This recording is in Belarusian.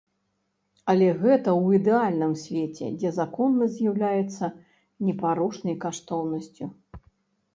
Але гэта ў ідэальным свеце, дзе законнасць з'яўляецца непарушнай каштоўнасцю.